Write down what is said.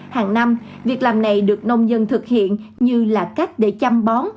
hàng năm việc làm này được nông dân thực hiện như là cách để chăm bón